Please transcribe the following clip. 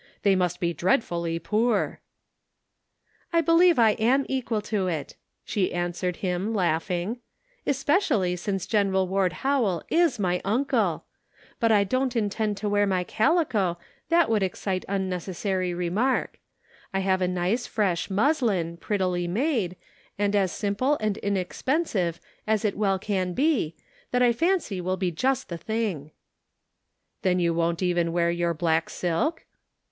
They must be dreadfully poor !" "I believe I am equal to it," she answered him, laughing ;" especially since Gen. Ward Howell is my uncle ; but I don't intend to wear my calico, that would excite unneces sary remark. I have a nice fresh muslin, prettily made, and as simple and inexpensive as it well can be, that I fancy will be just the thing." " Then you won't even wear your black silk?"